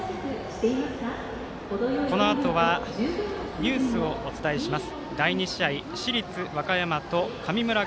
このあとはニュースをお伝えします。